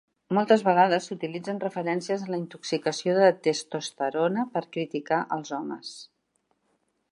Moltes vegades s"utilitzen referències a la intoxicació de testosterona per criticar els homes.